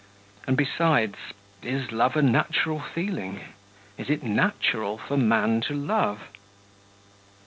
And, besides, is love a natural feeling? Is it natural for man to love?